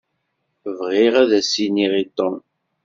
Bɣiɣ ad as-iniɣ i Tom.